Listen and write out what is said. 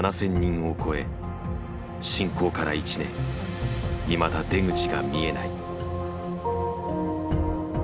侵攻から１年いまだ出口が見えない。